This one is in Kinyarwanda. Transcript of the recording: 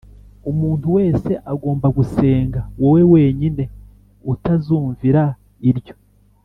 umuntu wese agomba gusenga wowe wenyine Utazumvira iryo